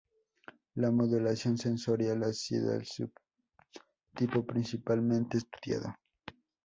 La modulación sensorial ha sido el subtipo principalmente estudiado.